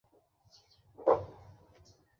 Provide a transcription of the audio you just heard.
প্রণাম, চাচা।